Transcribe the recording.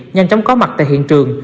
nhanh chóng có mặt tại hiện trường